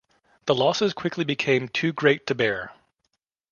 The losses quickly became too great to bear.